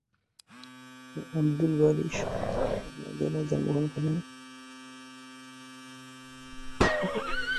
আব্দুল বারী সরদার পাবনা জেলার জন্মগ্রহণ করেন।